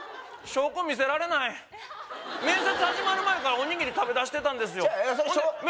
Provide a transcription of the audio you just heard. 証拠見せられない面接始まる前からおにぎり食べだしてたんですよちゃうよ